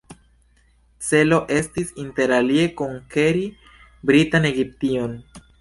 Celo estis interalie konkeri britan Egiption.